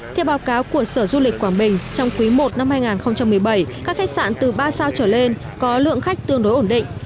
theo báo cáo của sở du lịch quảng bình trong quý i năm hai nghìn một mươi bảy các khách sạn từ ba sao trở lên có lượng khách tương đối ổn định